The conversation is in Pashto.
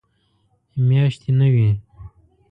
میاشتې نه وي.